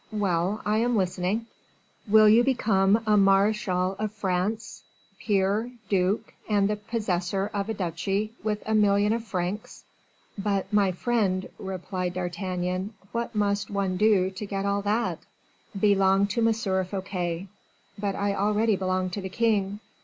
"Well, I am listening." "Will you become a marechal of France, peer, duke, and the possessor of a duchy, with a million of francs?" "But, my friend," replied D'Artagnan, "what must one do to get all that?" "Belong to M. Fouquet." "But I already belong to the king."